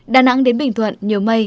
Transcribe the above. đà nẵng đến bình thuận nhiều mây